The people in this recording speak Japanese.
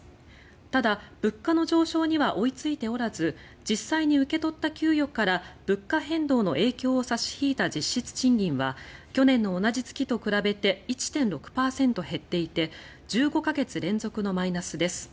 ただ、物価の上昇には追いついておらず実際に受け取った給与から物価変動の影響を差し引いた実質賃金は去年の同じ月と比べて１．６％減っていて１５か月連続のマイナスです。